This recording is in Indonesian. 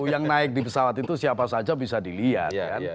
yang naik di pesawat itu siapa saja bisa dilihat